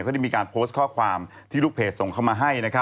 เขาได้มีการโพสต์ข้อความที่ลูกเพจส่งเข้ามาให้